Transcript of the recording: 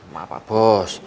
maaf pak bos